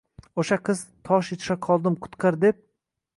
O’sha qiz: «Tosh ichra qoldim, qutqar», deb